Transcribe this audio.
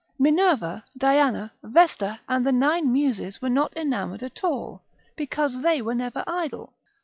Minerva, Diana, Vesta, and the nine Muses were not enamoured at all, because they never were idle.